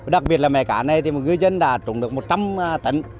đặc biệt là mẻ cá này ngư dân đã trụng được một trăm linh tấn